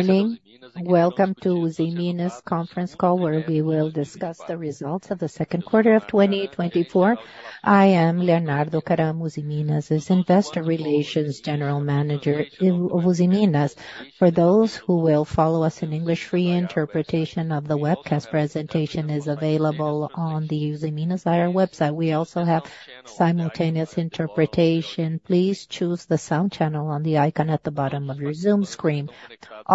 Good morning. Welcome to Usiminas Conference Call, where we will discuss the results of the second quarter of 2024. I am Leonardo Caram, Usiminas' Investor Relations General Manager. For those who will follow us in English, free interpretation of the webcast presentation is available on the Usiminas IR website. We also have simultaneous interpretation. Please choose the sound channel on the icon at the bottom of your Zoom screen.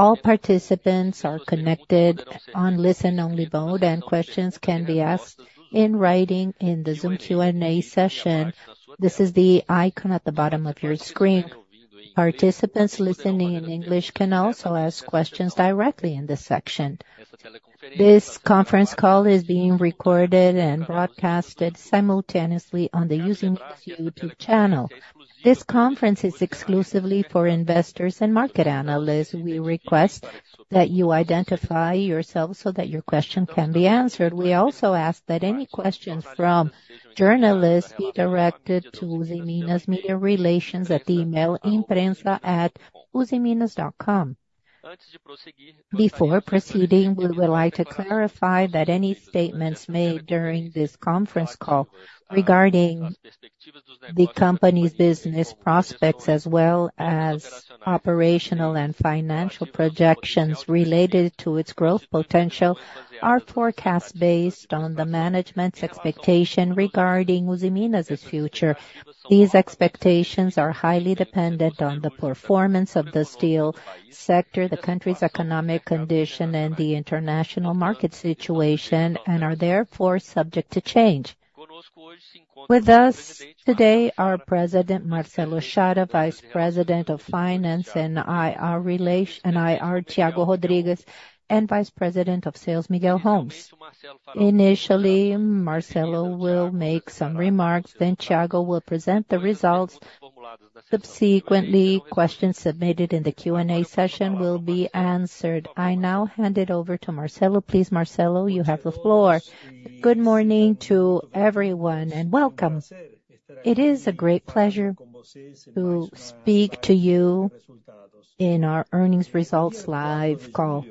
All participants are connected on listen-only mode, and questions can be asked in writing in the Zoom Q&A session. This is the icon at the bottom of your screen. Participants listening in English can also ask questions directly in this section. This conference call is being recorded and broadcasted simultaneously on the Usiminas YouTube channel. This conference is exclusively for investors and market analysts. We request that you identify yourself so that your question can be answered. We also ask that any questions from journalists be directed to Usiminas' Media Relations at the email imprensa@usiminas.com. Before proceeding, we would like to clarify that any statements made during this conference call regarding the company's business prospects, as well as operational and financial projections related to its growth potential, are forecasts based on the management's expectations regarding Usiminas' future. These expectations are highly dependent on the performance of the steel sector, the country's economic condition, and the international market situation, and are therefore subject to change. With us today are President Marcelo Chara, Vice President of Finance and IR Thiago Rodrigues, and Vice President of Sales Miguel Homes. Initially, Marcelo will make some remarks, then Thiago will present the results. Subsequently, questions submitted in the Q&A session will be answered. I now hand it over to Marcelo. Please, Marcelo, you have the floor. Good morning to everyone and welcome. It is a great pleasure to speak to you in our earnings results live call.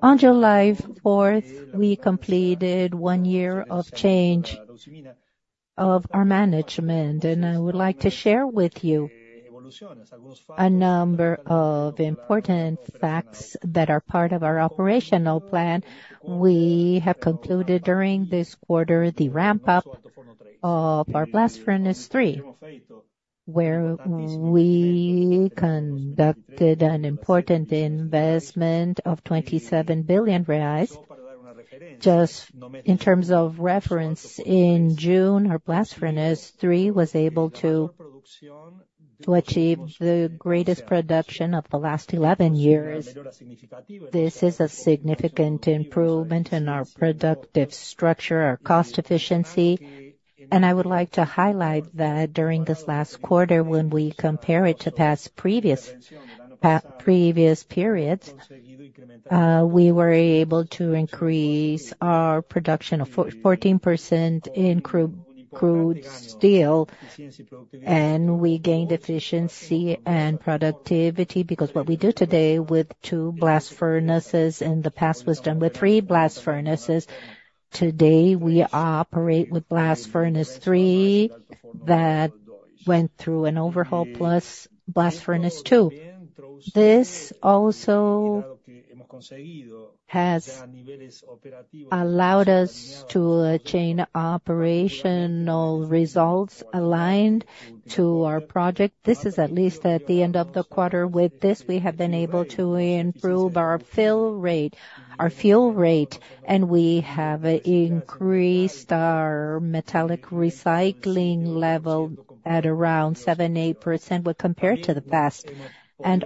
On July 4th, we completed one year of change of our management, and I would like to share with you a number of important facts that are part of our operational plan. We have concluded during this quarter the ramp-up of our Blast Furnace 3, where we conducted an important investment of R$27 billion. Just in terms of reference, in June, our Blast Furnace 3 was able to achieve the greatest production of the last 11 years. This is a significant improvement in our productive structure, our cost efficiency, and I would like to highlight that during this last quarter, when we compare it to previous periods, we were able to increase our production of 14% in crude steel, and we gained efficiency and productivity because what we do today with two blast furnaces in the past was done with three blast furnaces. Today, we operate with Blast Furnace 3 that went through an overhaul plus blast furnace 2. This also has allowed us to achieve operational results aligned to our project. This is at least at the end of the quarter. With this, we have been able to improve our fill rate, our fuel rate, and we have increased our metallic recycling level at around 7-8% when compared to the past.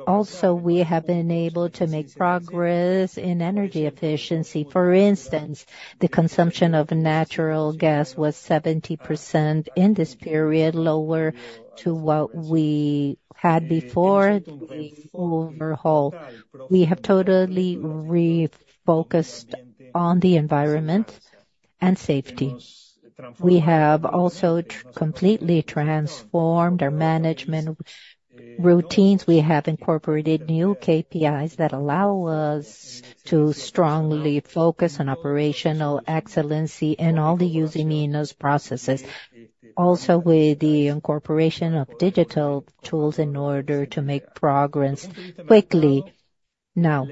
Also, we have been able to make progress in energy efficiency. For instance, the consumption of natural gas was 70% in this period, lower than what we had before the overhaul. We have totally refocused on the environment and safety. We have also completely transformed our management routines. We have incorporated new KPIs that allow us to strongly focus on operational excellence in all the Usiminas processes, also with the incorporation of digital tools in order to make progress quickly. Now,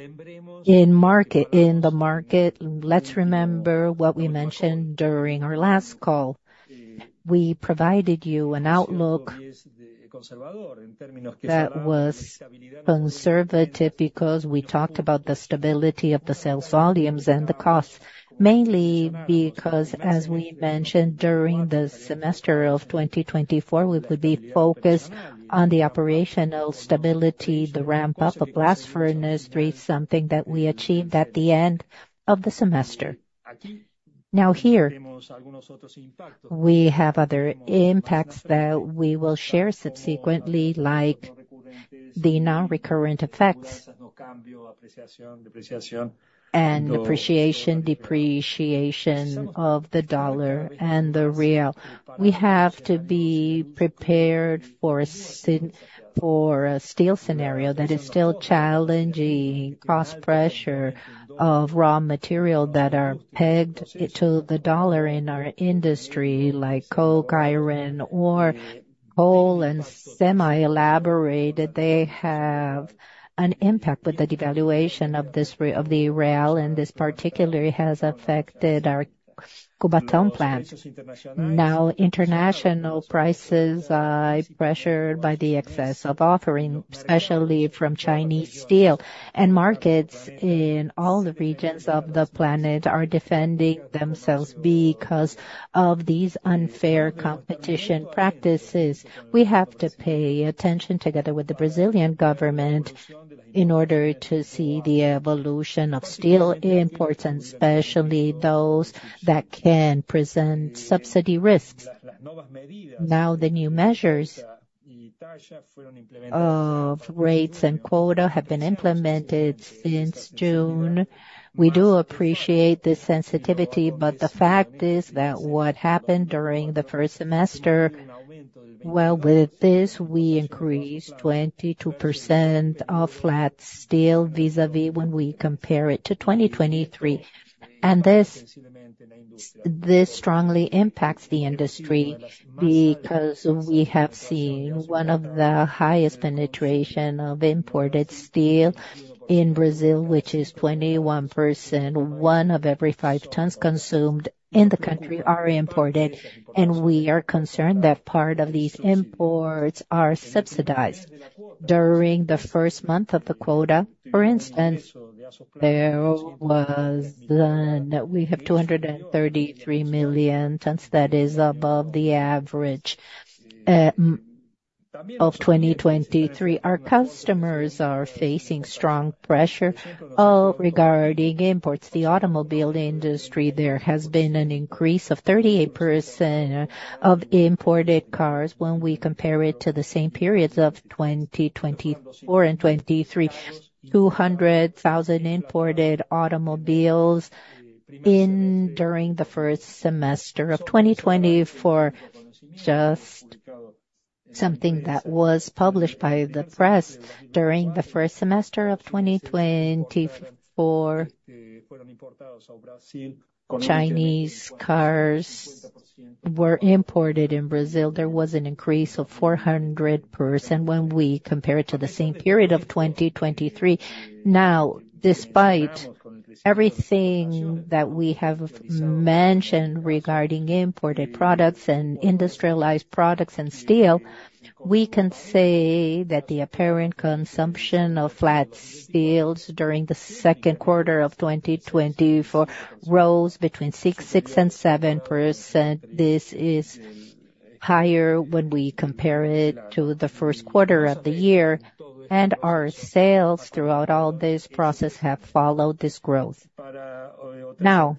in the market, let's remember what we mentioned during our last call. We provided you an outlook that was conservative because we talked about the stability of the sales volumes and the costs, mainly because, as we mentioned, during the semester of 2024, we would be focused on the operational stability. The ramp-up of Blast Furnace 3 is something that we achieved at the end of the semester. Now, here, we have other impacts that we will share subsequently, like the non-recurrent effects and depreciation of the dollar and the real. We have to be prepared for a steel scenario that is still challenging. Cost pressure of raw materials that are pegged to the dollar in our industry, like coal, iron, or coke and semi-elaborated. They have an impact with the devaluation of the real, and this particularly has affected our Cubatão plant. Now, international prices are pressured by the excess of offering, especially from Chinese steel, and markets in all the regions of the planet are defending themselves because of these unfair competition practices. We have to pay attention together with the Brazilian government in order to see the evolution of steel imports, especially those that can present subsidy risks. Now, the new measures of rates and quotas have been implemented since June. We do appreciate the sensitivity, but the fact is that what happened during the first semester, well, with this, we increased 22% of flat steel vis-à-vis when we compare it to 2023. This strongly impacts the industry because we have seen one of the highest penetrations of imported steel in Brazil, which is 21%. One of every five tons consumed in the country are imported, and we are concerned that part of these imports are subsidized during the first month of the quota. For instance, there was then we have 233 million tons. That is above the average of 2023. Our customers are facing strong pressure regarding imports. The automobile industry, there has been an increase of 38% of imported cars when we compare it to the same periods of 2024 and 2023. 200,000 imported automobiles during the first semester of 2024, just something that was published by the press. During the first semester of 2024, Chinese cars were imported in Brazil. There was an increase of 400% when we compare it to the same period of 2023. Now, despite everything that we have mentioned regarding imported products and industrialized products and steel, we can say that the apparent consumption of flat steels during the second quarter of 2024 rose between 6% and 7%. This is higher when we compare it to the first quarter of the year, and our sales throughout all this process have followed this growth. Now,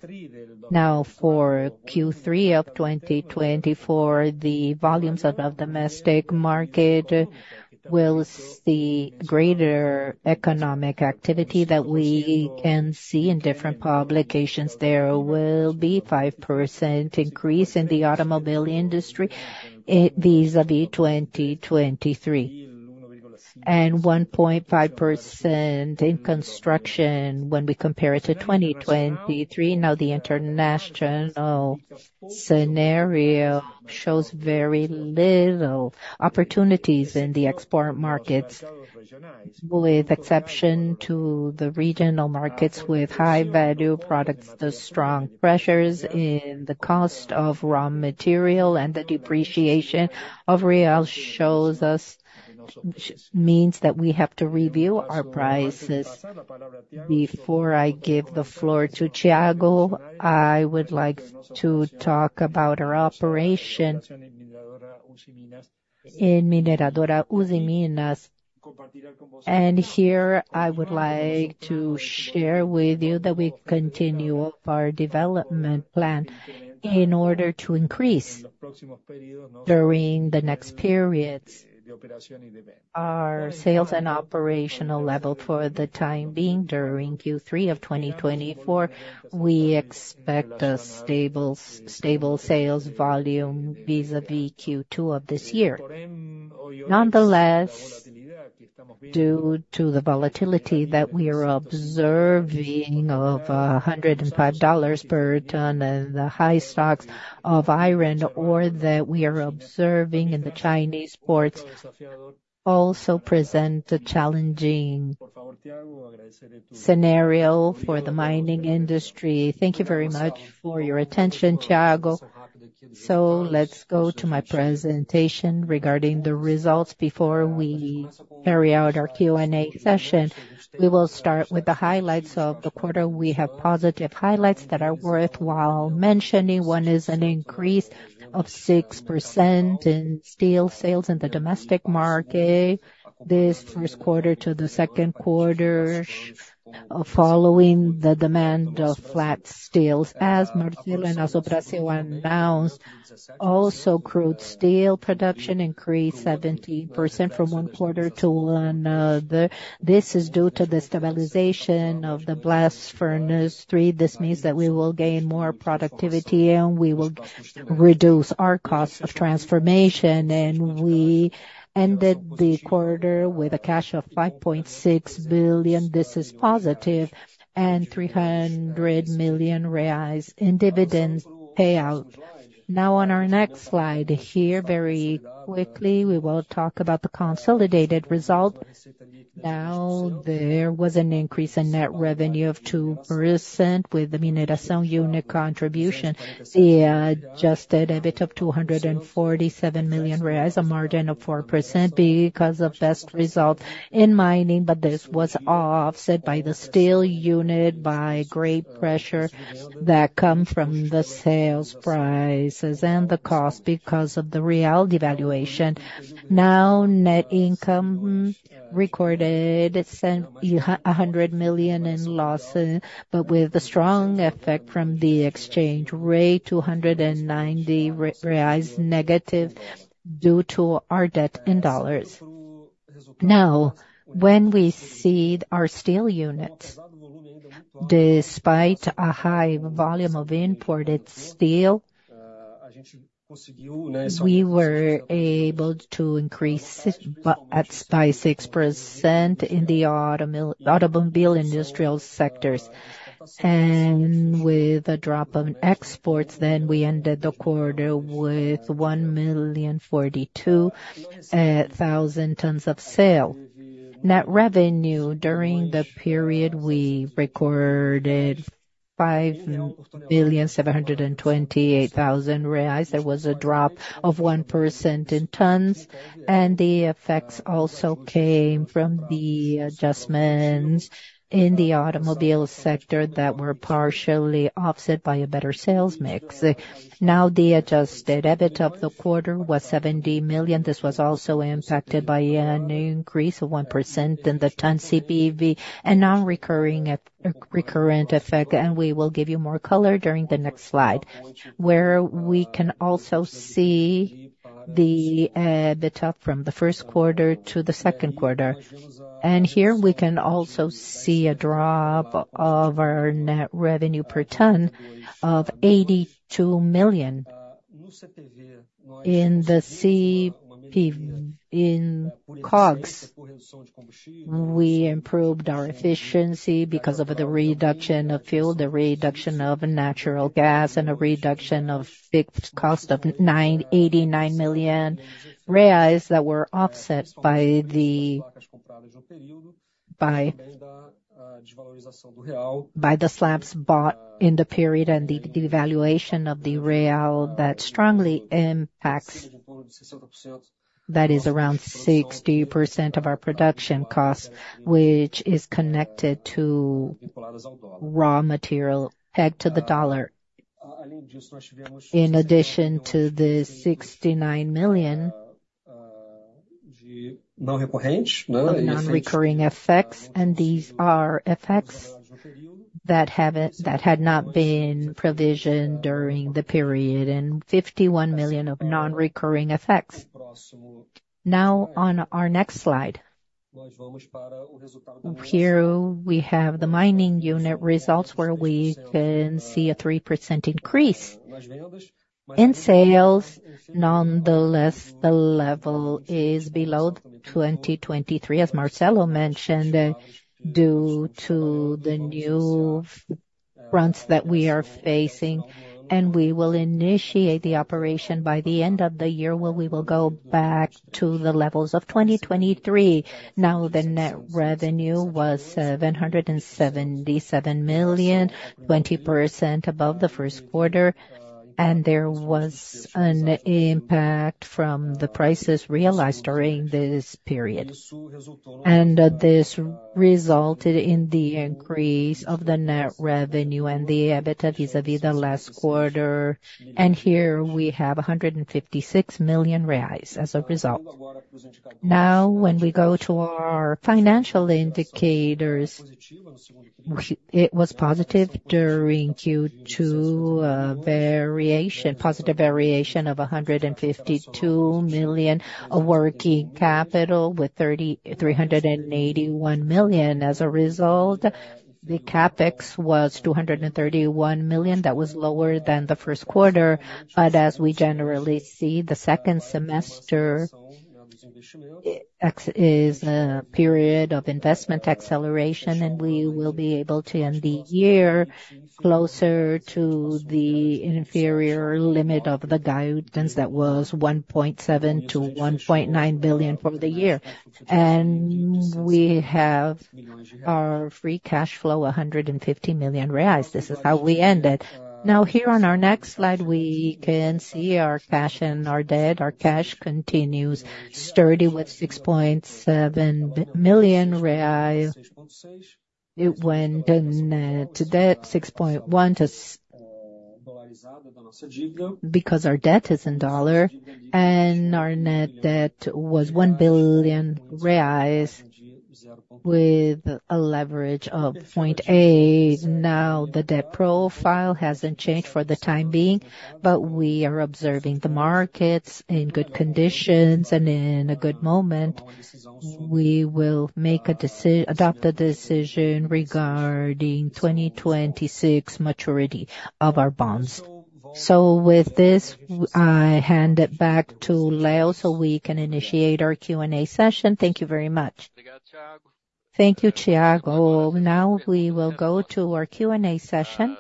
for Q3 of 2024, the volumes of the domestic market will see greater economic activity that we can see in different publications. There will be a 5% increase in the automobile industry vis-à-vis 2023 and 1.5% in construction when we compare it to 2023. Now, the international scenario shows very little opportunities in the export markets, with exception to the regional markets with high-value products. The strong pressures in the cost of raw material and the depreciation of real shows us means that we have to review our prices. Before I give the floor to Thiago, I would like to talk about our operation in Mineração Usiminas. Here, I would like to share with you that we continue our development plan in order to increase during the next periods our sales and operational level for the time being. During Q3 of 2024, we expect a stable sales volume vis-à-vis Q2 of this year. Nonetheless, due to the volatility that we are observing of $105 per ton and the high stocks of iron ore that we are observing in the Chinese ports also present a challenging scenario for the mining industry. Thank you very much for your attention, Thiago. Let's go to my presentation regarding the results before we carry out our Q&A session. We will start with the highlights of the quarter. We have positive highlights that are worthwhile mentioning. One is an increase of 6% in steel sales in the domestic market this first quarter to the second quarter following the demand of flat steels. As Marcelo Aço Brasil announced, also crude steel production increased 17% from one quarter to another. This is due to the stabilization of the Blast Furnace 3. This means that we will gain more productivity and we will reduce our cost of transformation. We ended the quarter with cash of $5.6 billion. This is positive and 300 million reais in dividends payout. On our next slide here, very quickly, we will talk about the consolidated result. There was an increase in net revenue of 2% with the mineração unit contribution. It adjusted a bit of 247 million reais, a margin of 4% because of best result in mining, but this was offset by the steel unit, by great pressure that comes from the sales prices and the cost because of the real devaluation. Net income recorded 100 million in losses, but with a strong effect from the exchange rate, 290 reais negative due to our debt in dollars. When we see our steel unit, despite a high volume of imported steel, we were able to increase by 6% in the automobile industrial sectors. With a drop of exports, we ended the quarter with 1,042,000 tons of sale. Net revenue during the period we recorded $5,728,000. There was a drop of 1% in tons, and the effects also came from the adjustments in the automobile sector that were partially offset by a better sales mix. The adjusted EBIT of the quarter was $70 million. This was also impacted by an increase of 1% in the ton CPV and non-recurrent effect. We will give you more color during the next slide, where we can also see the EBIT from the first quarter to the second quarter. Here, we can also see a drop of our net revenue per ton of $82 million. In the CPV, in COGS, we improved our efficiency because of the reduction of fuel, the reduction of natural gas, and a reduction of fixed cost of R$89 million that were offset by the slabs bought in the period and the devaluation of the real that strongly impacts, that is around 60% of our production cost, which is connected to raw material pegged to the dollar. In addition to the R$69 million non-recurring effects, and these are effects that had not been provisioned during the period and R$51 million of non-recurring effects. On our next slide, here we have the mining unit results, where we can see a 3% increase in sales. Nonetheless, the level is below 2023, as Marcelo mentioned, due to the new fronts that we are facing. We will initiate the operation by the end of the year, where we will go back to the levels of 2023. The net revenue was $777 million, 20% above the first quarter, and there was an impact from the prices realized during this period. This resulted in the increase of the net revenue and the EBIT vis-à-vis the last quarter. Here, we have $156 million reais as a result. When we go to our financial indicators, it was positive during Q2, a positive variation of $152 million of working capital with $381 million. As a result, the capex was $231 million. That was lower than the first quarter. As we generally see, the second semester is a period of investment acceleration, and we will be able to end the year closer to the inferior limit of the guidance that was $1.7 to $1.9 billion for the year. We have our free cash flow, $150 million reais. This is how we ended. Here on our next slide, we can see our cash and our debt. Our cash continues sturdy with $6.7 million reais when the net debt $6.1 billion because our debt is in dollar, and our net debt was $1 billion reais with a leverage of 0.8. The debt profile hasn't changed for the time being, but we are observing the markets in good conditions, and in a good moment, we will adopt a decision regarding 2026 maturity of our bonds. So with this, I hand it back to Leo so we can initiate our Q&A session. Thank you very much. Thank you, Thiago. Now, we will go to our Q&A session.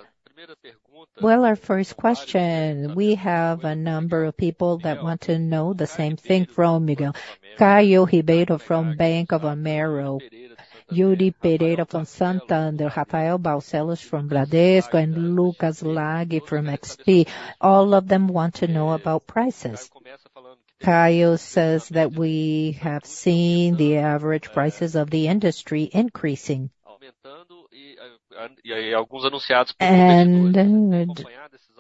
Our first question, we have a number of people that want to know the same thing from Miguel. Caio Ribeiro from Bank of America, Yuri Pereira from Santander, Rafael Barcellos from Bradesco, and Lucas Laghi from XP. All of them want to know about prices. Caio says that we have seen the average prices of the industry increasing.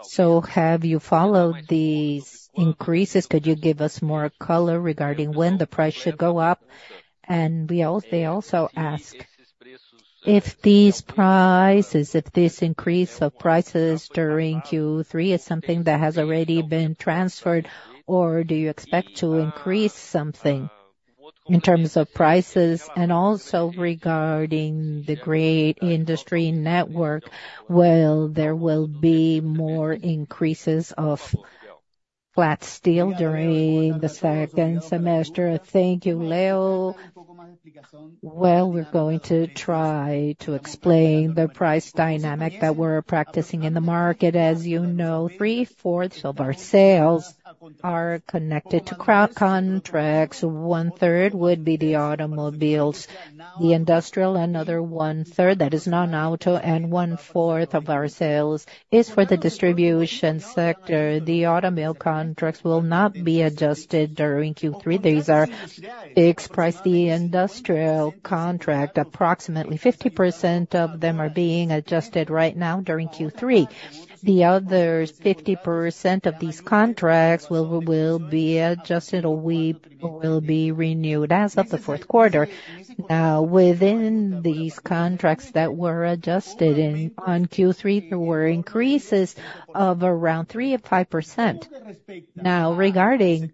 So have you followed these increases? Could you give us more color regarding when the price should go up? They also ask if these prices, if this increase of prices during Q3 is something that has already been transferred, or do you expect to increase something in terms of prices? Also regarding the great industry network, there will be more increases of flat steel during the second semester. Thank you, Leo. We're going to try to explain the price dynamic that we're practicing in the market. As you know, three-fourths of our sales are connected to contracts. One-third would be the automobiles, the industrial, another one-third that is non-auto, and one-fourth of our sales is for the distribution sector. The automobile contracts will not be adjusted during Q3. These are fixed prices. The industrial contract, approximately 50% of them are being adjusted right now during Q3. The other 50% of these contracts will be adjusted or will be renewed as of the fourth quarter. Within these contracts that were adjusted on Q3, there were increases of around 3% to 5%. Now, regarding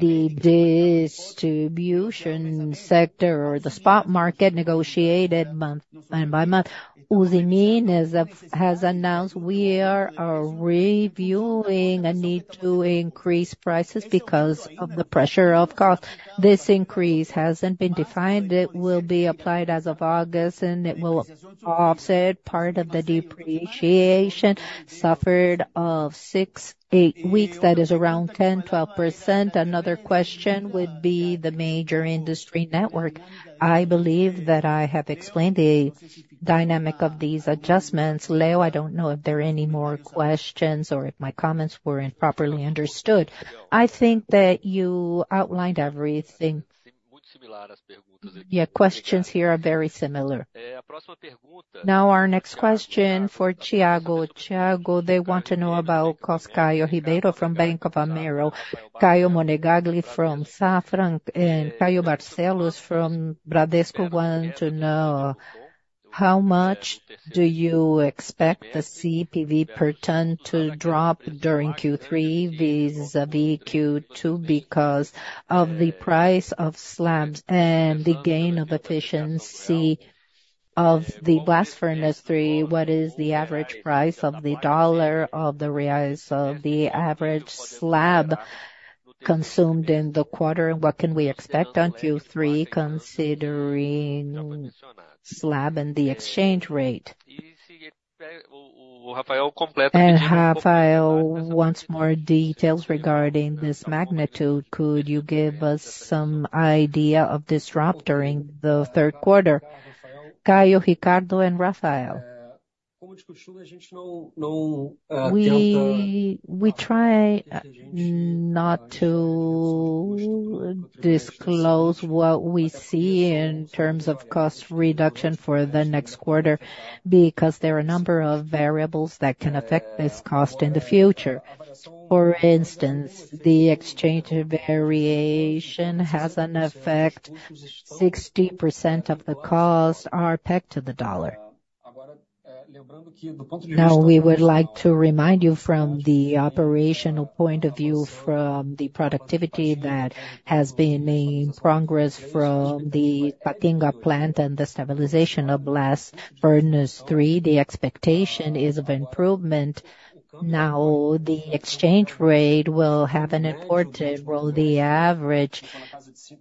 the distribution sector or the spot market negotiated month by month, Usiminas has announced we are reviewing a need to increase prices because of the pressure of cost. This increase hasn't been defined. It will be applied as of August, and it will offset part of the depreciation suffered of 6, 8 weeks, that is around 10% to 12%. Another question would be the major industry network. I believe that I have explained the dynamic of these adjustments. Leo, I don't know if there are any more questions or if my comments were properly understood. I think that you outlined everything. Yeah, questions here are very similar. Now, our next question for Thiago. Thiago, they want to know about Caio Ribeiro from Bank of America, Ricardo Monegagli from Safra, and Rafael Barcellos from Bradesco want to know how much do you expect the CPV per ton to drop during Q3 vis-à-vis Q2 because of the price of slabs and the gain of efficiency of the Blast Furnace 3? What is the average price of the dollar of the reais of the average slab consumed in the quarter? What can we expect on Q3 considering slab and the exchange rate? Rafael wants more details regarding this magnitude. Could you give us some idea of this drop during the third quarter? Caio, Ricardo, and Rafael. We try not to disclose what we see in terms of cost reduction for the next quarter because there are a number of variables that can affect this cost in the future. For instance, the exchange variation has an effect; 60% of the cost are pegged to the dollar. We would like to remind you from the operational point of view from the productivity that has been in progress from the Ipatinga plant and the stabilization of Blast Furnace 3. The expectation is of improvement. The exchange rate will have an important role. The average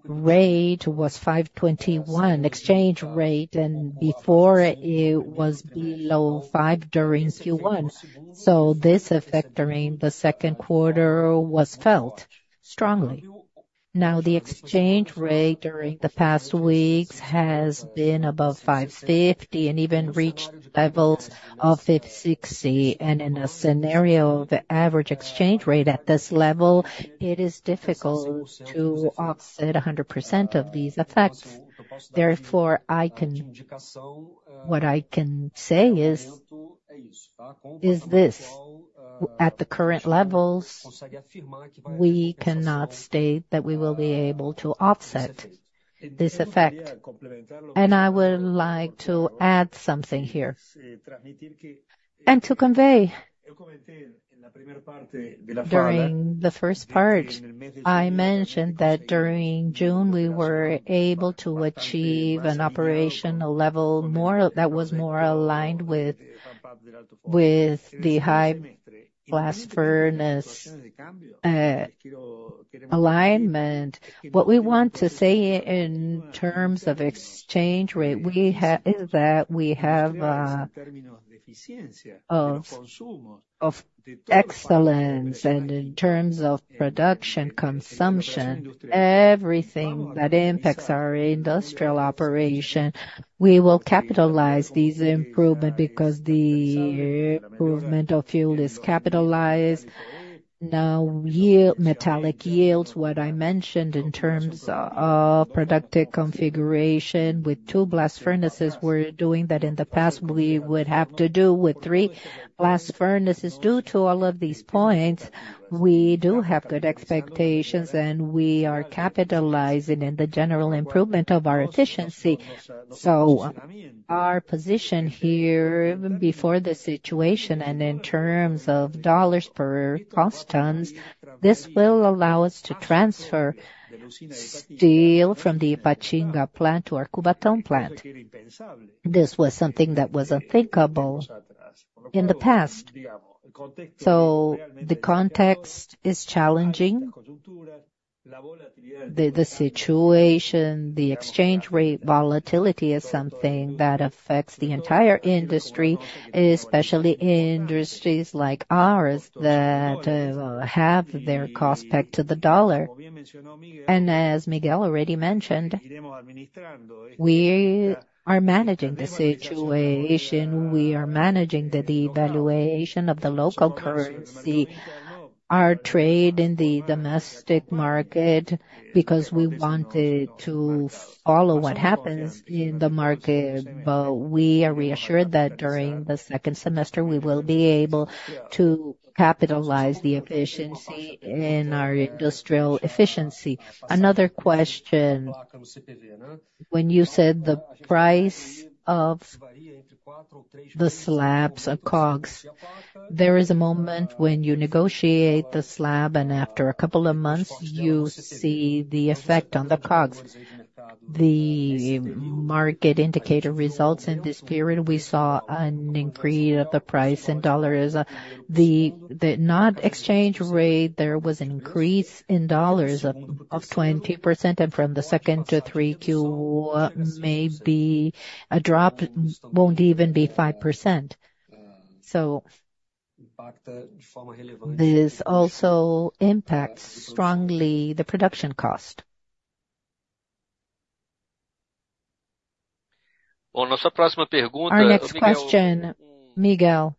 rate was 5.21 exchange rate, and before it was below 5 during Q1. This effect during the second quarter was felt strongly. The exchange rate during the past weeks has been above 5.50 and even reached levels of 5.60. In a scenario of the average exchange rate at this level, it is difficult to offset 100% of these effects. Therefore, what I can say is this: at the current levels, we cannot state that we will be able to offset this effect. I would like to add something here and to convey. During the first part, I mentioned that during June, we were able to achieve an operational level that was more aligned with the high blast furnace alignment. What we want to say in terms of exchange rate is that we have excellence, and in terms of production consumption, everything that impacts our industrial operation, we will capitalize these improvements because the movement of fuel is capitalized. Now, metallic yields, what I mentioned in terms of productive configuration with two blast furnaces, we're doing that in the past. We would have to do with three blast furnaces. Due to all of these points, we do have good expectations, and we are capitalizing in the general improvement of our efficiency. Our position here before the situation and in terms of dollars per cost tons, this will allow us to transfer steel from the Ipatinga plant to our Cubatāo plant. This was something that was unthinkable in the past. The context is challenging. The situation, the exchange rate volatility is something that affects the entire industry, especially in industries like ours that have their cost pegged to the dollar. And as Miguel already mentioned, we are managing the situation. We are managing the devaluation of the local currency, our trade in the domestic market because we wanted to follow what happens in the market. But we are reassured that during the second semester, we will be able to capitalize the efficiency in our industrial efficiency. Another question: when you said the price of the slabs or COGS, there is a moment when you negotiate the slab, and after a couple of months, you see the effect on the COGS. The market indicator results in this period, we saw an increase of the price in dollars. The not exchange rate, there was an increase in dollars of 20%, and from the second to three Q, maybe a drop won't even be 5%. So this also impacts strongly the production cost. A nossa próxima pergunta. Next question, Miguel.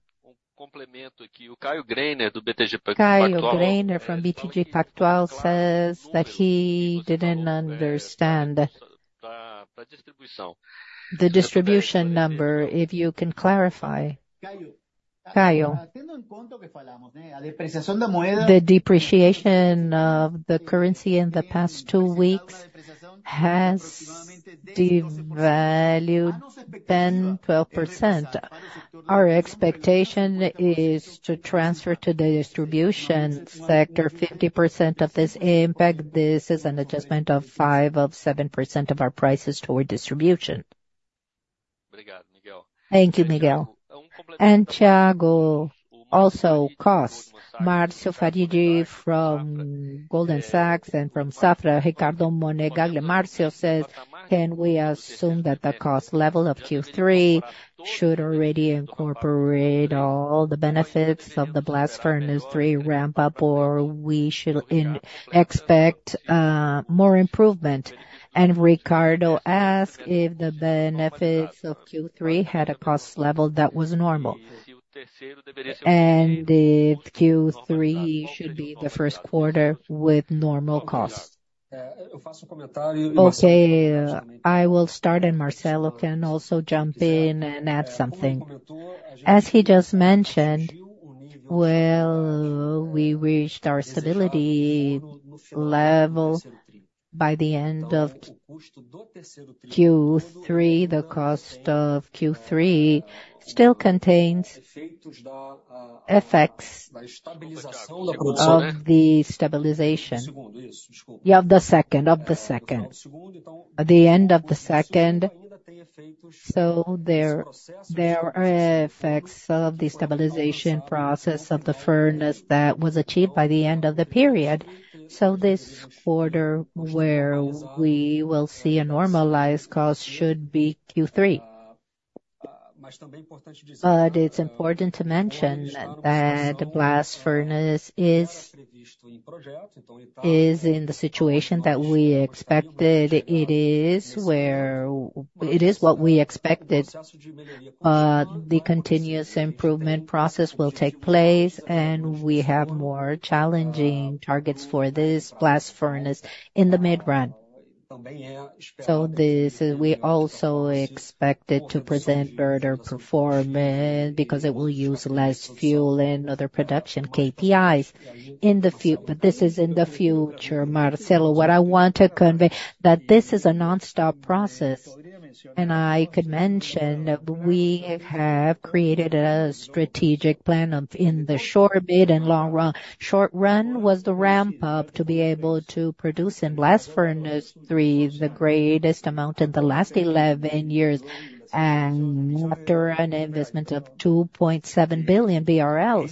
Complemento aqui. O Caio Greiner, do BTG Pactual. Caio Greiner from BTG Pactual says that he didn't understand the distribution number, if you can clarify. Caio. The depreciation of the currency in the past two weeks has devalued 10% to 12%. Our expectation is to transfer to the distribution sector 50% of this impact. This is an adjustment of 5% to 7% of our prices toward distribution. Thank you, Miguel. Thiago, also cost. Marcio Farid from Goldman Sachs and from Safra, Ricardo Monegaglia. Marcio says, can we assume that the cost level of Q3 should already incorporate all the benefits of the Blast Furnace 3 ramp-up, or we should expect more improvement? Ricardo asked if the benefits of Q3 had a cost level that was normal and if Q3 should be the first quarter with normal costs. I will start, and Marcelo can also jump in and add something. As he just mentioned, we reached our stability level by the end of Q3. The cost of Q3 still contains effects of the stabilization of the second, of the end of the second. There are effects of the stabilization process of the furnace that was achieved by the end of the period. This quarter, where we will see a normalized cost, should be Q3. But it's important to mention that the blast furnace is in the situation that we expected. It is what we expected. The continuous improvement process will take place, and we have more challenging targets for this blast furnace in the mid-run. We also expect it to present better performance because it will use less fuel and other production KPIs in the future. But this is in the future. Marcelo, what I want to convey is that this is a nonstop process. I could mention that we have created a strategic plan in the short bid and long run. Short run was the ramp-up to be able to produce in Blast Furnace 3 the greatest amount in the last 11 years and after an investment of 2.7 billion BRL.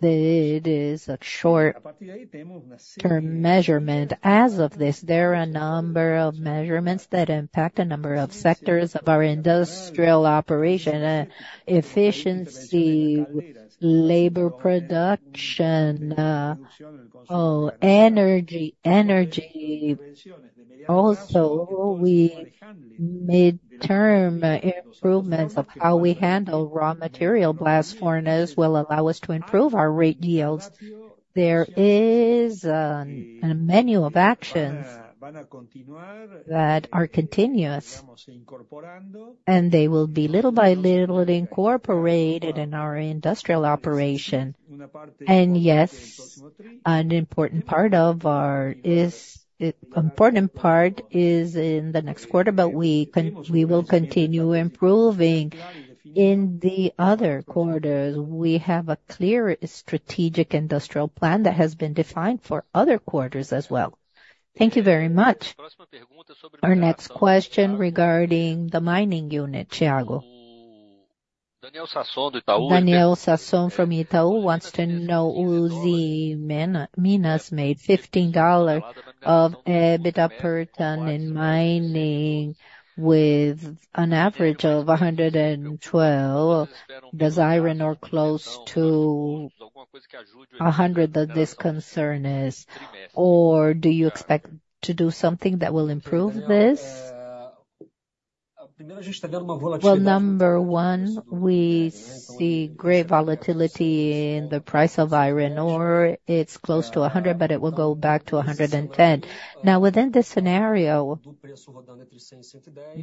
It is a short-term measurement. As of this, there are a number of measurements that impact a number of sectors of our industrial operation: efficiency, labor production, energy. Also, we made term improvements of how we handle raw material blast furnaces; it will allow us to improve our rate deals. There is a menu of actions that are continuous, and they will be little by little incorporated in our industrial operation. Yes, an important part of our is an important part is in the next quarter, but we will continue improving in the other quarters. We have a clear strategic industrial plan that has been defined for other quarters as well. Thank you very much. Our next question regarding the mining unit, Thiago. Daniel Sasson from Itaú wants to know Usiminas made $15 of EBITDA per ton in mining with an average of $112. Does iron ore close to $100? The discount is, or do you expect to do something that will improve this? Number one, we see great volatility in the price of iron ore. It's close to $100, but it will go back to $110. Within this scenario,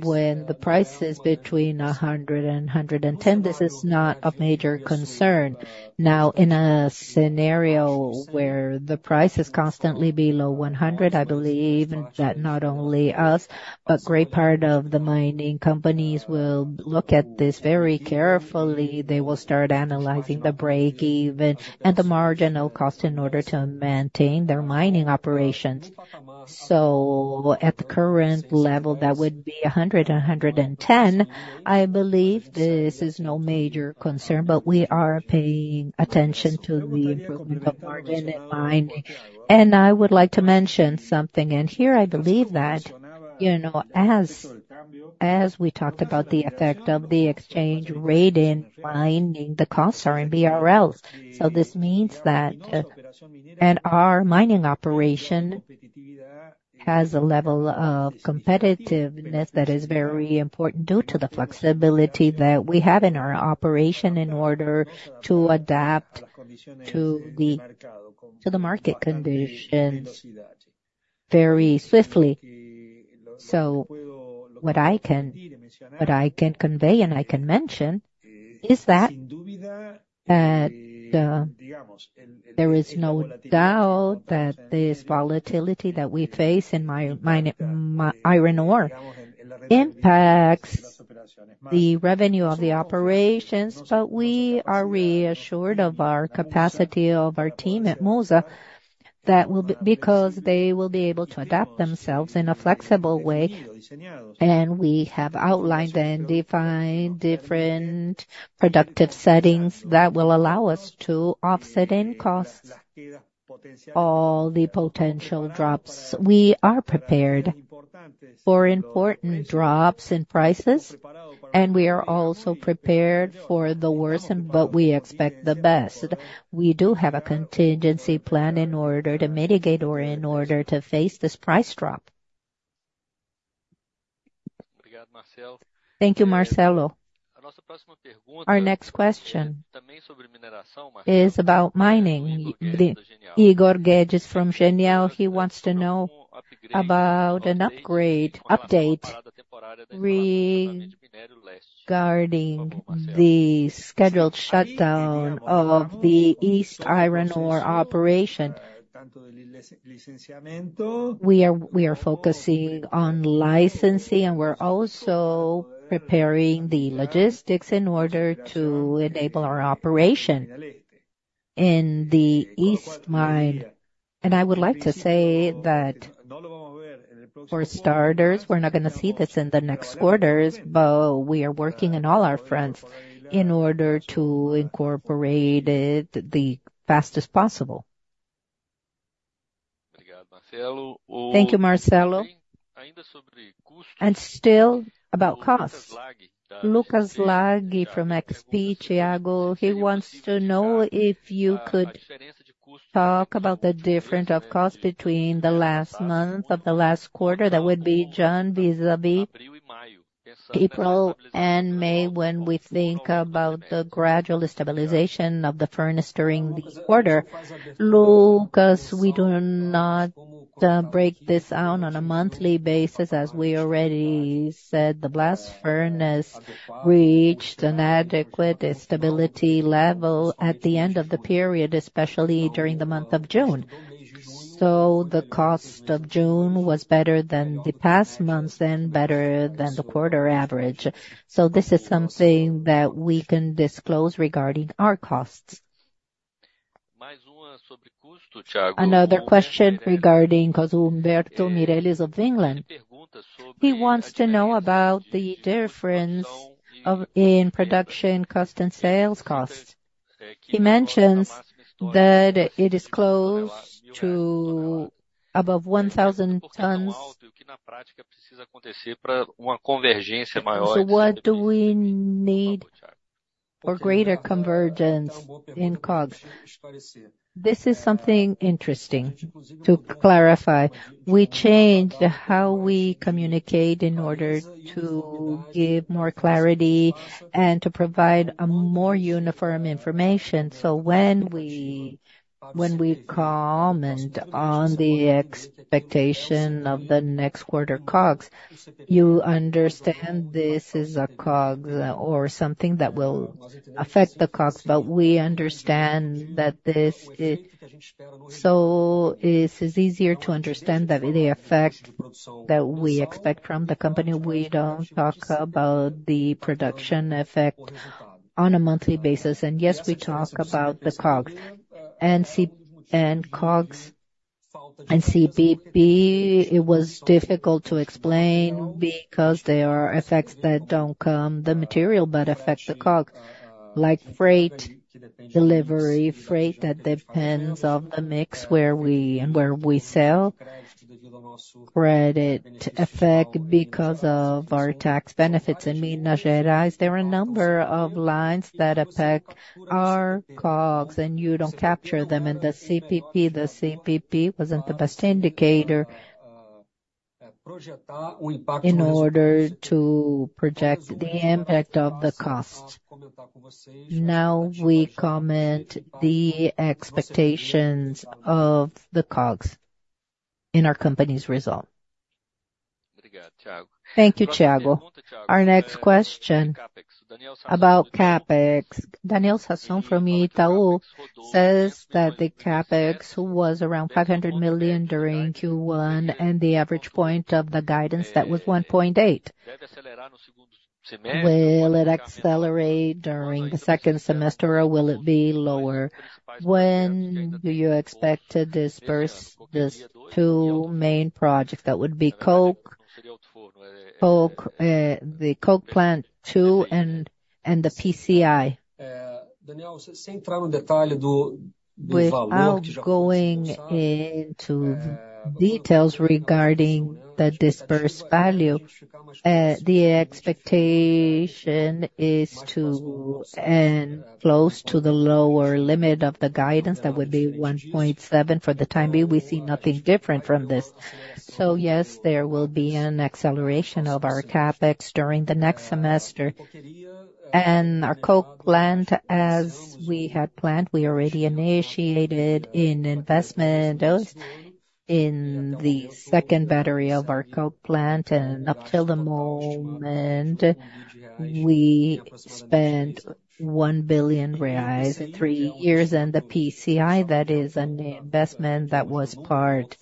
when the price is between $100 and $110, this is not a major concern. In a scenario where the price is constantly below $100, I believe that not only us, but a great part of the mining companies will look at this very carefully. They will start analyzing the break-even and the marginal cost in order to maintain their mining operations. At the current level, that would be 100 and 110. I believe this is no major concern, but we are paying attention to the improvement of margin in mining. I would like to mention something, and here I believe that, as we talked about the effect of the exchange rate in mining, the costs are in BRL. This means that our mining operation has a level of competitiveness that is very important due to the flexibility that we have in our operation in order to adapt to the market conditions very swiftly. What I can convey and mention is that there is no doubt that this volatility that we face in iron ore impacts the revenue of the operations, but we are reassured of our capacity of our team at Musa that will be because they will be able to adapt themselves in a flexible way. We have outlined and defined different productive settings that will allow us to offset in costs all the potential drops. We are prepared for important drops in prices, and we are also prepared for the worst, but we expect the best. We do have a contingency plan in order to mitigate or in order to face this price drop. Thank you, Marcelo. Our next question is about mining. Igor Guedes from Genial, he wants to know about an update regarding the scheduled shutdown of the East Iron ore operation. We are focusing on licensing, and we're also preparing the logistics in order to enable our operation in the East mine. I would like to say that for starters, we're not going to see this in the next quarters, but we are working in all our fronts in order to incorporate it the fastest possible. Thank you, Marcelo. Still about costs. Lucas Lagi from XP, Thiago, he wants to know if you could talk about the difference of cost between the last month of the last quarter that would be June vis-à-vis April and May when we think about the gradual stabilization of the furnace during the quarter. Lucas, we do not break this out on a monthly basis. As we already said, the blast furnace reached an adequate stability level at the end of the period, especially during the month of June. The cost of June was better than the past months and better than the quarter average. This is something that we can disclose regarding our costs. Another question regarding Humberto Meireles of Agora Investimentos. He wants to know about the difference in production, cost, and sales costs. He mentions that it is close to above 1,000 tons. What do we need for greater convergence in COGS? This is something interesting to clarify. We change how we communicate in order to give more clarity and to provide more uniform information. When we comment on the expectation of the next quarter COGS, you understand this is a COG or something that will affect the COGS, but we understand that this is so it is easier to understand the effect that we expect from the company. We don't talk about the production effect on a monthly basis. Yes, we talk about the COGS and CBP. It was difficult to explain because there are effects that don't come from the material, but affect the COGS, like freight delivery, freight that depends on the mix where we sell. Credit effect because of our tax benefits in Minas Gerais, there are a number of lines that affect our COGS, and you don't capture them in the CPP. The CPP wasn't the best indicator in order to project the impact of the cost. Now we comment on the expectations of the COGS in our company's results. Thank you, Thiago. Our next question is about CapEx. Daniel Sasson from Itaú says that the CapEx was around $500 million during Q1 and the average point of the guidance was $1.8 billion. Will it accelerate during the second semester, or will it be lower? When do you expect to disburse these two main projects? That would be Coke, the Coke Plant 2, and the PCI. Without going into details regarding the dispersed value, the expectation is to end close to the lower limit of the guidance that would be 1.7 for the time being. We see nothing different from this. So yes, there will be an acceleration of our CapEx during the next semester. Our Coke Plant, as we had planned, we already initiated an investment in the second battery of our Coke Plant, and up till the moment, we spent R$1 billion in three years. The PCI, that is an investment that was part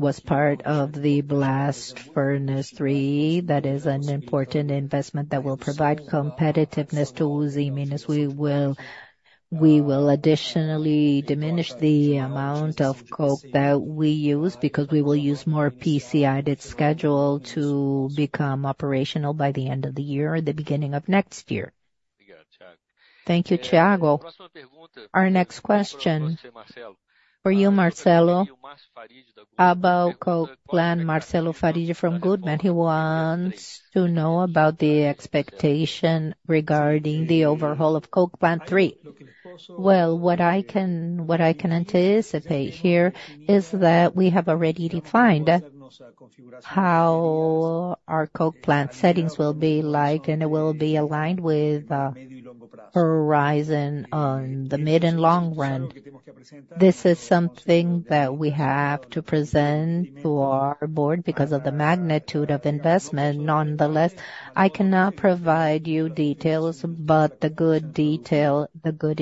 of the Blast Furnace 3, that is an important investment that will provide competitiveness to Usiminas. We will additionally diminish the amount of Coke that we use because we will use more PCI that's scheduled to become operational by the end of the year or the beginning of next year. Thank you, Thiago. Our next question for you, Marcelo, about Coke Plant. Marcelo Farid from Goldman Sachs, he wants to know about the expectation regarding the overhaul of Coke Plant 3. What I can anticipate here is that we have already defined how our Coke Plant settings will be like, and it will be aligned with the horizon on the mid and long run. This is something that we have to present to our board because of the magnitude of investment. Nonetheless, I cannot provide you details, but the good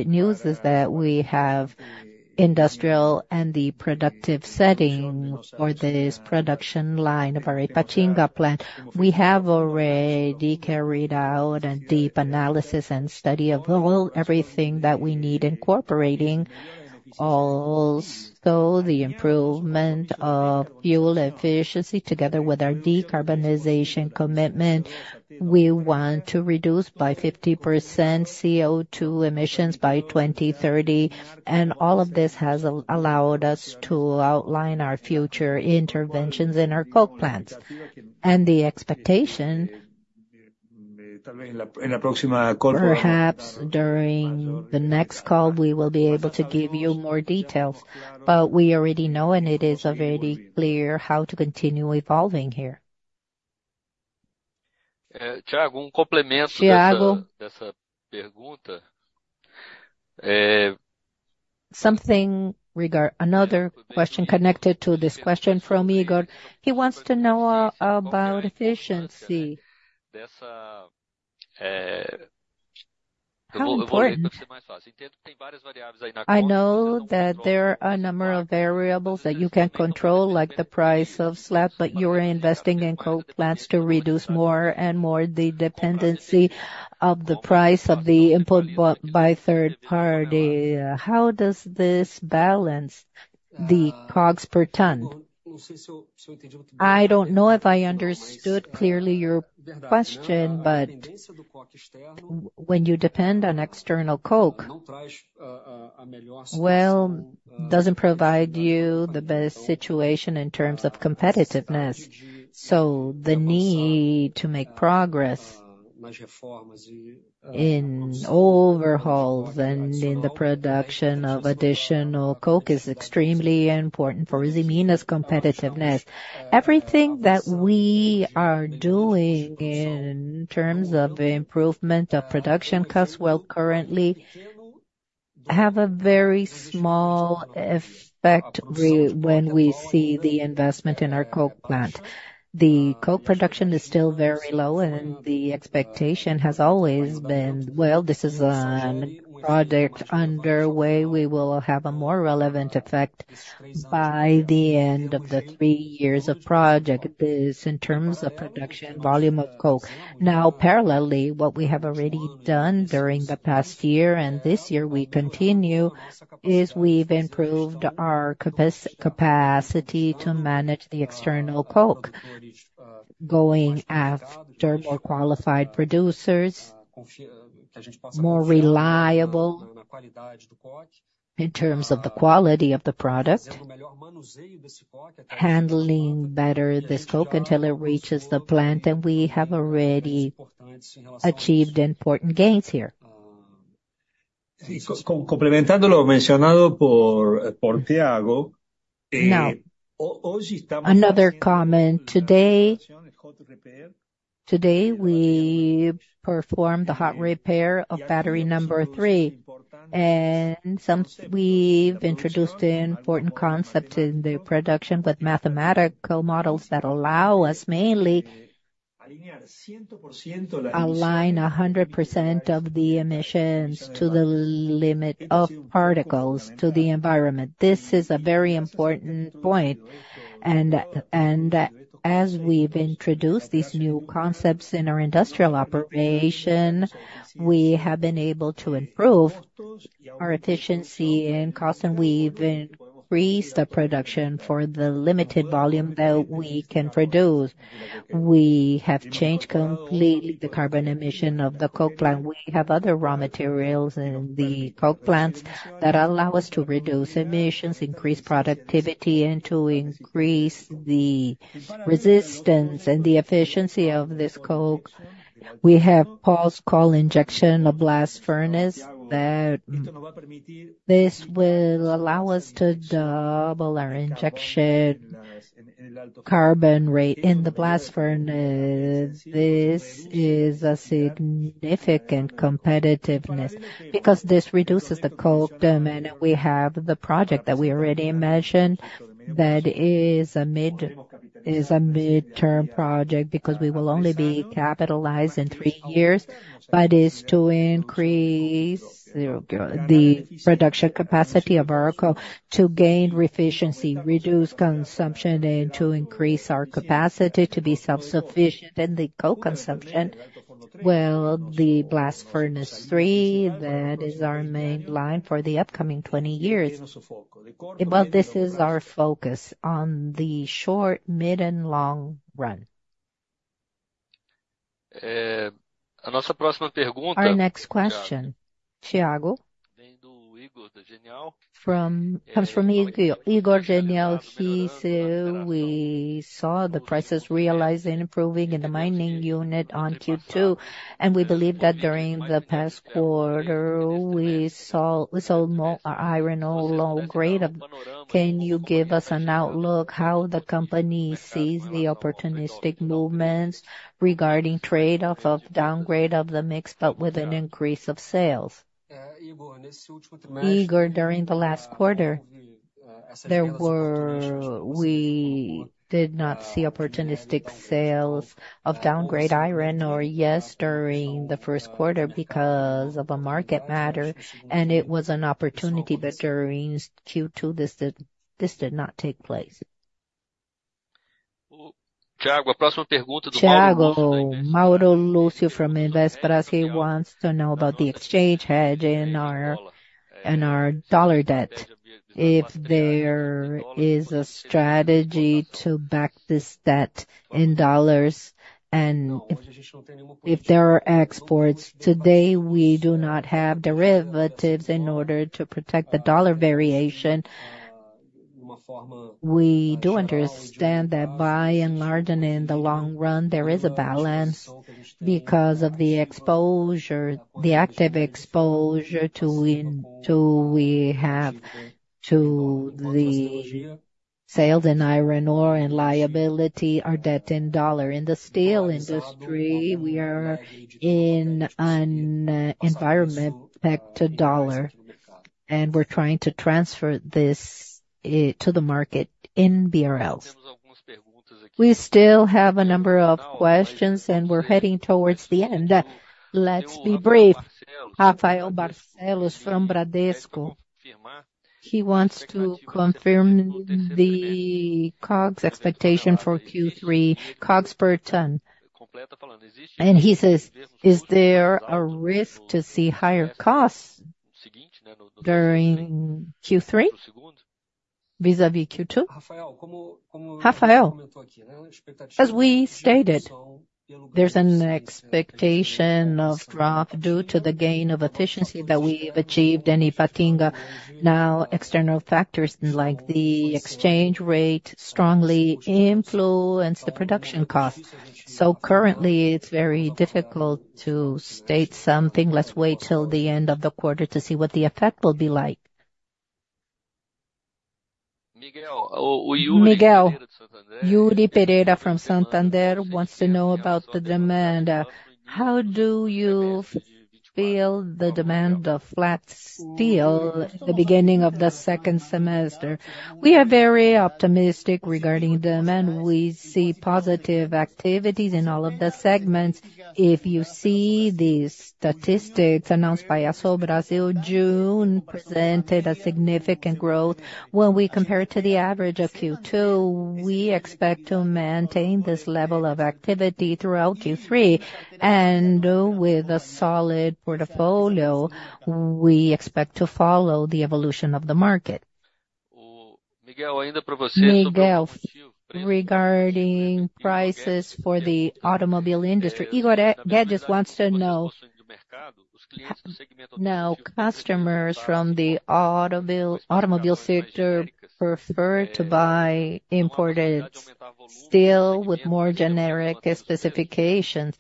news is that we have industrial and the productive setting for this production line of our Ipatinga plant. We have already carried out a deep analysis and study of everything that we need to incorporate. Also, the improvement of fuel efficiency together with our decarbonization commitment. We want to reduce by 50% CO2 emissions by 2030. All of this has allowed us to outline our future interventions in our Coke Plants. The expectation, perhaps during the next call, we will be able to give you more details, but we already know, and it is already clear how to continue evolving here. Thiago, something regarding another question connected to this question from Igor. He wants to know about efficiency. I know that there are a number of variables that you can control, like the price of salt, but you're investing in Coke Plants to reduce more and more the dependency of the price of the input by third party. How does this balance the COGS per ton? I don't know if I understood clearly your question, but when you depend on external Coke, it doesn't provide you the best situation in terms of competitiveness. So the need to make progress in overhauls and in the production of additional Coke is extremely important for Usiminas competitiveness. Everything that we are doing in terms of improvement of production costs currently have a very small effect when we see the investment in our Coke Plant. The Coke production is still very low, and the expectation has always been that this is a project underway. We will have a more relevant effect by the end of the three years of project. This is in terms of production volume of Coke. Now, parallelly, what we have already done during the past year and this year we continue is we've improved our capacity to manage the external Coke, going after more qualified producers, more reliable in terms of the quality of the product, handling better this Coke until it reaches the plant, and we have already achieved important gains here. Another comment. Today, we performed the hot repair of battery number three, and we've introduced an important concept in the production with mathematical models that allow us mainly to align 100% of the emissions to the limit of particles to the environment. This is a very important point. As we've introduced these new concepts in our industrial operation, we have been able to improve our efficiency and cost, and we've increased the production for the limited volume that we can produce. We have changed completely the carbon emission of the coke plant. We have other raw materials in the coke plants that allow us to reduce emissions, increase productivity, and to increase the resistance and the efficiency of this coke. We have pulverized coal injection of blast furnace that this will allow us to double our injection carbon rate in the blast furnace. This is a significant competitiveness because this reduces the coke demand. We have the project that we already mentioned that is a midterm project because we will only be capitalized in three years, but it is to increase the production capacity of our coke to gain efficiency, reduce consumption, and to increase our capacity to be self-sufficient in the coke consumption. The Blast Furnace 3, that is our main line for the upcoming 20 years. This is our focus on the short, mid, and long run. Our next question, Thiago, comes from Igor Genial. He said we saw the prices realize and improving in the mining unit on Q2, and we believe that during the past quarter, we saw more iron ore low grade. Can you give us an outlook how the company sees the opportunistic movements regarding trade-off of downgrade of the mix, but with an increase of sales? Igor, during the last quarter, we did not see opportunistic sales of downgrade iron or yes during the first quarter because of a market matter, and it was an opportunity, but during Q2, this did not take place. Thiago, Mauro Lúcio from Investimentos, he wants to know about the exchange hedge in our dollar debt. If there is a strategy to back this debt in dollars and if there are exports, today we do not have derivatives in order to protect the dollar variation. We do understand that by enlarging in the long run, there is a balance because of the exposure, the active exposure we have to the sales in iron ore and liability or debt in dollar. In the steel industry, we are in an environment pegged to dollar, and we're trying to transfer this to the market in BRLs. We still have a number of questions, and we're heading towards the end. Let's be brief. Rafael Barcelos from Bradesco, he wants to confirm the Coke's expectation for Q3, Cokes per ton. He says, is there a risk to see higher costs during Q3 vis-à-vis Q2? Rafael, as we stated, there's an expectation of growth due to the gain of efficiency that we've achieved in Ipatinga. External factors like the exchange rate strongly influence the production cost. Currently, it's very difficult to state something. Let's wait till the end of the quarter to see what the effect will be like. Miguel, Yuri Pereira from Santander wants to know about the demand. How do you feel the demand of flat steel at the beginning of the second semester? We are very optimistic regarding demand. We see positive activities in all of the segments. If you see these statistics announced by AÇO Brasil, June presented a significant growth. When we compare it to the average of Q2, we expect to maintain this level of activity throughout Q3. With a solid portfolio, we expect to follow the evolution of the market. Miguel, regarding prices for the automobile industry, Igor Guedes wants to know. Now, customers from the automobile sector prefer to buy imported steel with more generic specifications.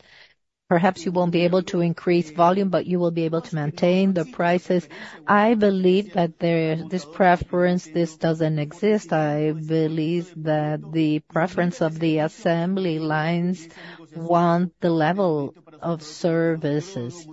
Perhaps you won't be able to increase volume, but you will be able to maintain the prices. I believe that this preference doesn't exist. I believe that the preference of the assembly lines wants the level of services.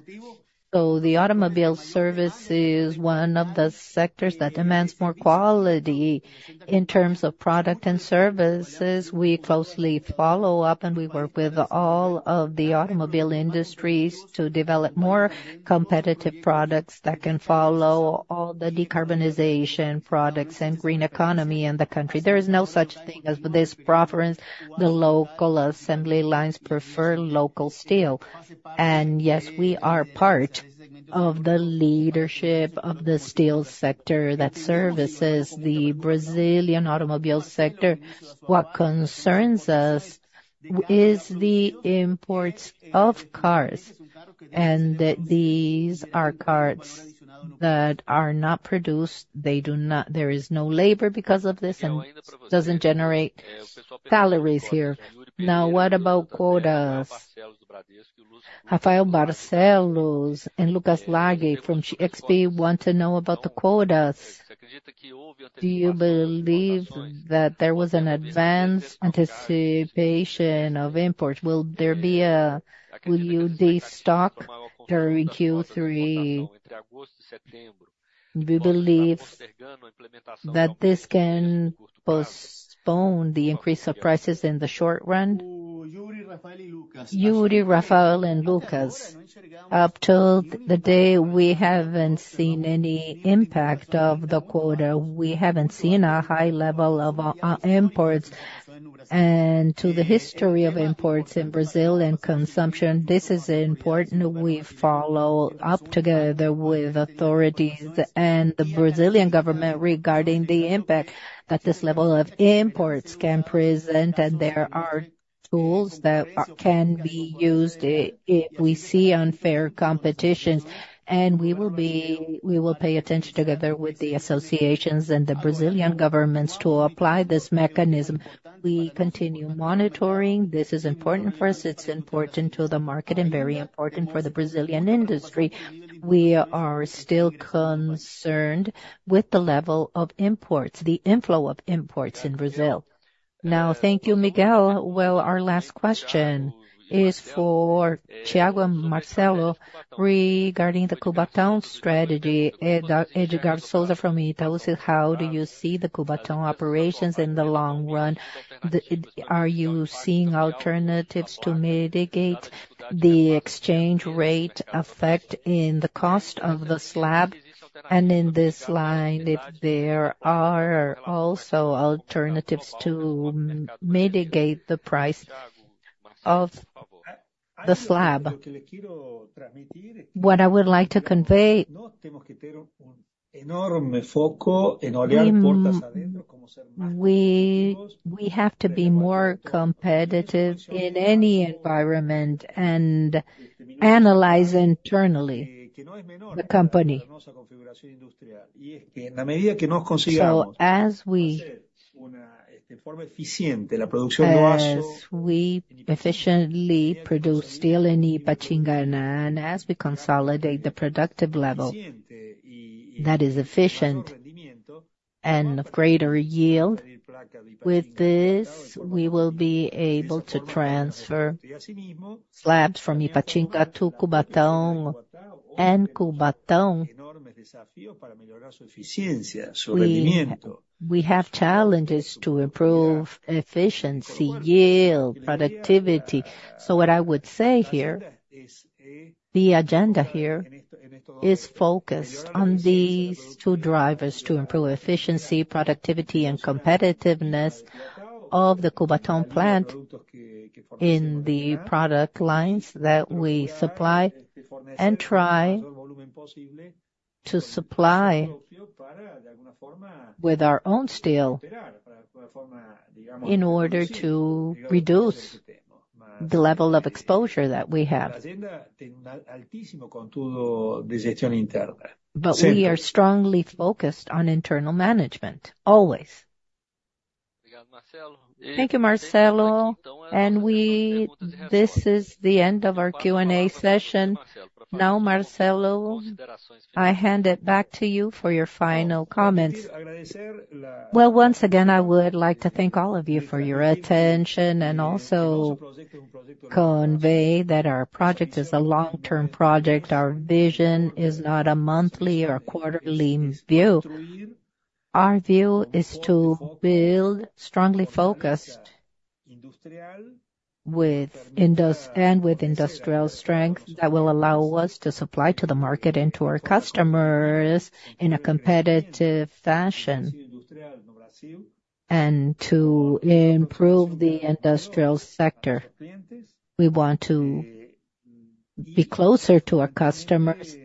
The automobile service is one of the sectors that demands more quality in terms of product and services. We closely follow up, and we work with all of the automobile industries to develop more competitive products that can follow all the decarbonization products and green economy in the country. There is no such thing as this preference. The local assembly lines prefer local steel. Yes, we are part of the leadership of the steel sector that services the Brazilian automobile sector. What concerns us is the imports of cars. These are cars that are not produced. There is no labor because of this and doesn't generate salaries here. What about quotas? Rafael Barcelos and Lucas Lage from GXP want to know about the quotas. Do you believe that there was an advance anticipation of imports? Will there be a will you destock during Q3? Do you believe that this can postpone the increase of prices in the short run? Yuri, Rafael and Lucas, up till the day, we haven't seen any impact of the quota. We haven't seen a high level of imports. And to the history of imports in Brazil and consumption, this is important. We follow up together with authorities and the Brazilian government regarding the impact that this level of imports can present. And there are tools that can be used if we see unfair competition. And we will pay attention together with the associations and the Brazilian government to apply this mechanism. We continue monitoring. This is important for us. It's important to the market and very important for the Brazilian industry. We are still concerned with the level of imports, the inflow of imports in Brazil. Now, thank you, Miguel. Our last question is for Thiago Marcelo regarding the Cubatão strategy. Edgar Sousa from Itaú, how do you see the Cubatão operations in the long run? Are you seeing alternatives to mitigate the exchange rate effect in the cost of the slab? In this line, if there are also alternatives to mitigate the price of the slab. What I would like to convey, we have to be more competitive in any environment and analyze internally the company. As we produce steel in Ipatinga and as we consolidate the productive level that is efficient and of greater yield, with this, we will be able to transfer slabs from Ipatinga to Cubatão. We have challenges to improve efficiency, yield, productivity. What I would say here, the agenda here is focused on these two drivers: to improve efficiency, productivity, and competitiveness of the Cubatão plant in the product lines that we supply and try to supply with our own steel in order to reduce the level of exposure that we have. But we are strongly focused on internal management, always. Thank you, Marcelo. And this is the end of our Q&A session. Now, Marcelo, I hand it back to you for your final comments. Well, once again, I would like to thank all of you for your attention and also convey that our project is a long-term project. Our vision is not a monthly or quarterly view. Our view is to build strongly focused with industrial strength that will allow us to supply to the market and to our customers in a competitive fashion and to improve the industrial sector. We want to be closer to our customers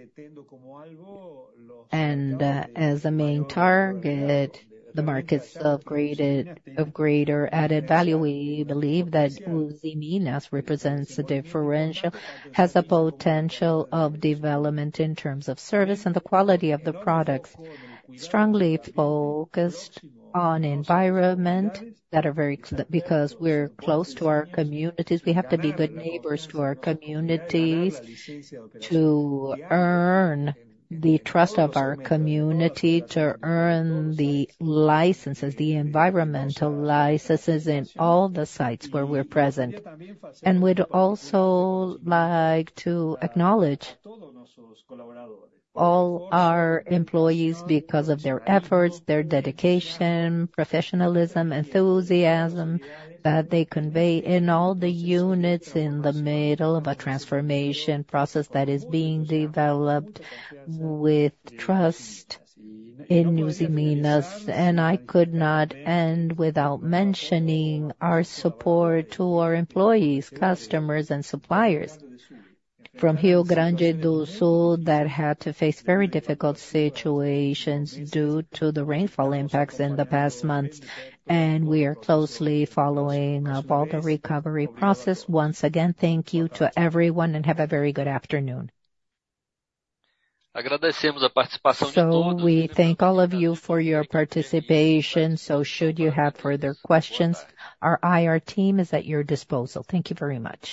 and, as a main target, the markets of greater added value. We believe that Usiminas represents a differential, has a potential of development in terms of service and the quality of the products. Strongly focused on environment that are very important because we're close to our communities. We have to be good neighbors to our communities to earn the trust of our community, to earn the licenses, the environmental licenses in all the sites where we're present. We'd also like to acknowledge all our employees because of their efforts, their dedication, professionalism, enthusiasm that they convey in all the units in the middle of a transformation process that is being developed with trust in Usiminas. I could not end without mentioning our support to our employees, customers, and suppliers from Rio Grande do Sul that had to face very difficult situations due to the rainfall impacts in the past months. We are closely following up all the recovery process. Once again, thank you to everyone and have a very good afternoon. We thank all of you for your participation. Should you have further questions, our IR team is at your disposal. Thank you very much.